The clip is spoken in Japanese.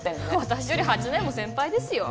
私より８年も先輩ですよ